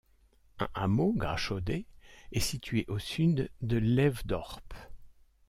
Un hameau, Graszode, est situé au sud de Lewedorp.